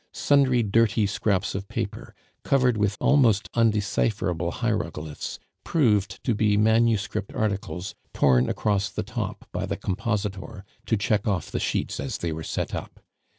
Sundry dirty scraps of paper, covered with almost undecipherable hieroglyphs, proved to be manuscript articles torn across the top by the compositor to check off the sheets as they were set up.